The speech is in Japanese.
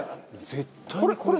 絶対にこれ。